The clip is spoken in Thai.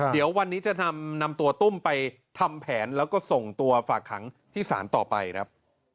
เดี๋ยววันนี้จะนำตัวตุ้มไปทำแผนแล้วก็ส่งตัวฝากขังที่ศาลต่อไปครับ